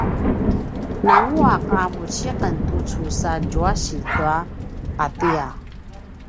nangua’ a vuci’en tucu sa djuasi tua ’atia